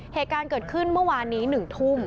เหตุการณ์เกิดขึ้นเมื่อวานนี้๑ทุ่ม